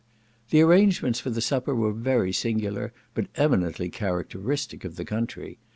The arrangements for the supper were very singular, but eminently characteristic of the country.